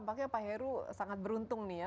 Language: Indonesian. nah pak heru tampaknya sangat beruntung nih ya